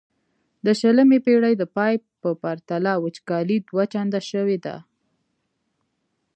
د شلمې پیړۍ د پای په پرتله وچکالي دوه چنده شوې ده.